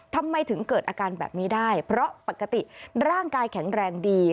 ทำไมถึงเกิดอาการแบบนี้ได้เพราะปกติร่างกายแข็งแรงดี